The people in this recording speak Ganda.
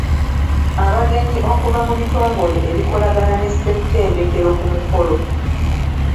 Abagenyi okuva mu bitongole ebikolagana ne ssettendekero ku mukolo.